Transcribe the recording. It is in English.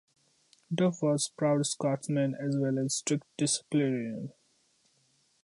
Duff was a proud Scotsman as well as a strict disciplinarian.